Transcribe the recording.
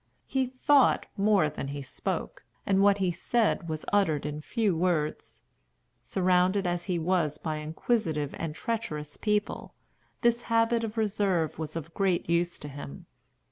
He thought more than he spoke, and what he said was uttered in few words. Surrounded as he was by inquisitive and treacherous people, this habit of reserve was of great use to him.